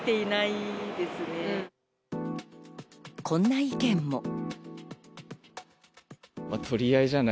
こんな意見も。